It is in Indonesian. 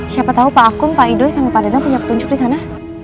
siapa tahu pak akung pak ido s d punya petunjuk di sana